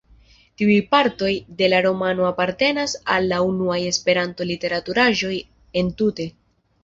Tiuj partoj de la romano apartenas al la unuaj Esperanto-literaturaĵoj entute.